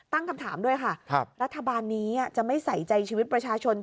ตั้งคำถามด้วยค่ะรัฐบาลนี้จะไม่ใส่ใจชีวิตประชาชน